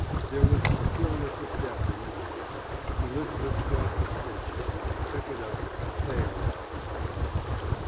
There was the stillness of death in the room. Elisabeth dropped a stitch, tried to pick it up, failed, and fled.